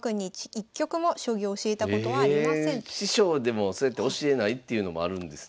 師匠でもそうやって教えないっていうのもあるんですね。